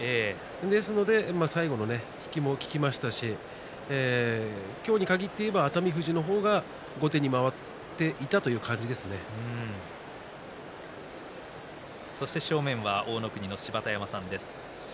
ですので最後の引きも効きましたし今日に限って言えば熱海富士の方が後手に回っていたそして正面は大乃国の芝田山さんです。